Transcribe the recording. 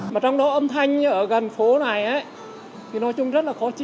mà trong đó âm thanh ở gần phố này thì nói chung rất là khó